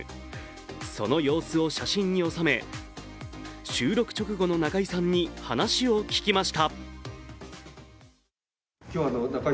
その様子を写真に収め、収録直後の中居さんに話を聞きました。